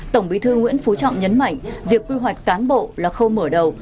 tổng bí thư nguyễn phú trọng nhấn mạnh việc quy hoạch cán bộ là khâu mở đầu